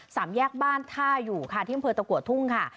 สามแยกบ้านท่าอยู่ค่ะที่อำเภอตะกัวทุ่งค่ะ